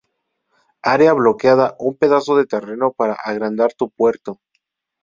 Área bloqueada: Un pedazo de terreno para agrandar tu puerto.